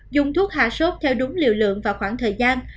dùng thuốc hạ sốt theo đúng liều lượng và khoảng thời gian